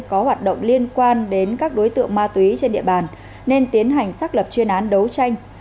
có hoạt động liên quan đến các đối tượng ma túy trên địa bàn nên tiến hành xác lập chuyên án đấu tranh